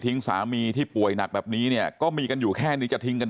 สามีที่ป่วยหนักแบบนี้เนี่ยก็มีกันอยู่แค่นี้จะทิ้งกัน